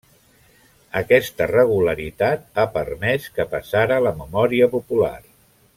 Aquesta regularitat ha permès que passara la memòria popular.